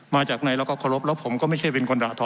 มาจากไหนแล้วก็เคารพแล้วผมก็ไม่ใช่เป็นคนด่าท้อ